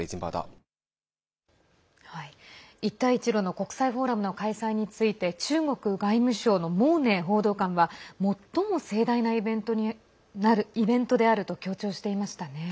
一帯一路の国際フォーラムの開催について中国外務省の毛寧報道官は最も盛大なイベントであると強調していましたね。